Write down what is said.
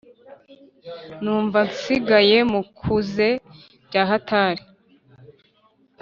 Numva nsigaye mu kukze byahatari